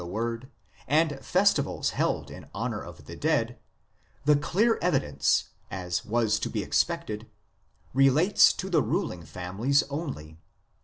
ANCESTOR WORSHIP 101 word, and festivals held in honour of the dead, the clear evidence, as was to be expected, relates to the ruling families only.